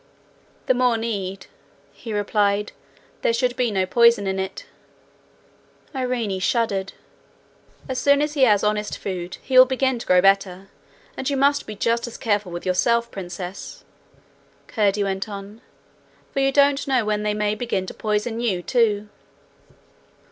'The more need,' he replied, 'there should be no poison in it.' Irene shuddered. 'As soon as he has honest food he will begin to grow better. And you must be just as careful with yourself, Princess,' Curdie went on, 'for you don't know when they may begin to poison you, too.'